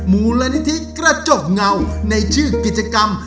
มูลนิธิกระจกเงาในชื่อกิจกรรม